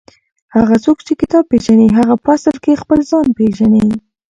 هغه څوک چې کتاب پېژني هغه په اصل کې خپل ځان پېژني.